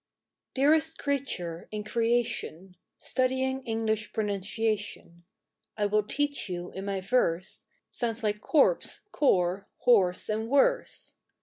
Dearest creature in Creation, Studying English pronunciation, I will teach you in my verse Sounds like corpse, corps, horse and worse.